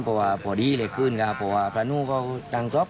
เพราะฉะนั้นพอดีเลยคืนกับว่าภรรณุก็ตั้งทรอบ